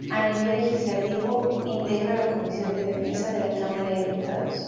A nivel legislativo, integra la comisión de defensa de la Cámara de diputados.